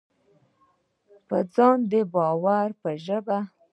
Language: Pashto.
په ځان د باور ژبه: